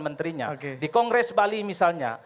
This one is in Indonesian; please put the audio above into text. menterinya di kongres bali misalnya